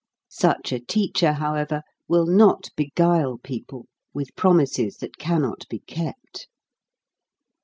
Such a teacher, however, will not beguile people with promises that cannot be kept.